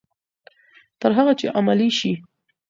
تر هغه چې عملي شي.